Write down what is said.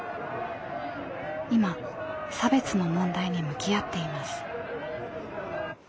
今差別の問題に向き合っています。